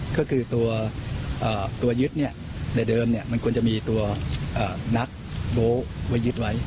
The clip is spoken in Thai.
ก็คือตัวยึดแต่เดิมมันควรจะมีตัวนักโบ๊คไว้ยึดไว้